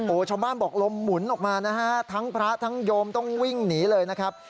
โอ้โหชาวบ้านบอกลมหมุนออกมานะฮะทั้งพระทั้งโยมต้องวิ่งหนีเลยนะครับ